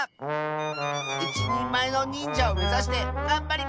いちにんまえのにんじゃをめざしてがんばります！